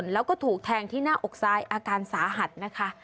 แล้วก็ถูกแทงที่หน้าอกซ้ายอาการสาหัสนะคะ